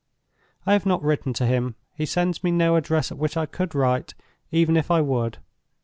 "I have not written to him. He sends me no address at which I could write, even if I would.